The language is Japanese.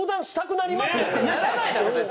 ならないだろ絶対。